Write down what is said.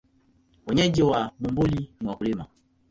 Wenyeji wa Bumbuli ni wakulima.